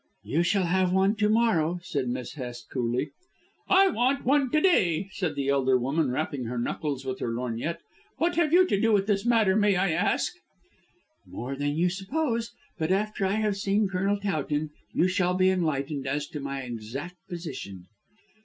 "You will have one to morrow," said Miss Hest coolly. "I want one to day," said the elder woman rapping her knuckles with her lorgnette. "What have you to do with this matter, may I ask?" "More than you suppose. But, after I have seen Colonel Towton, you shall be enlightened as to my exact position."